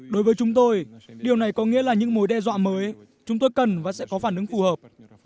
đối với chúng tôi điều này có nghĩa là những mối đe dọa mới chúng tôi cần và sẽ có phản ứng phù hợp